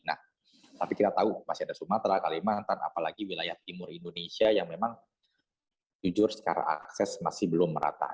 nah tapi kita tahu masih ada sumatera kalimantan apalagi wilayah timur indonesia yang memang jujur secara akses masih belum merata